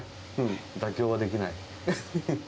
妥協はできない。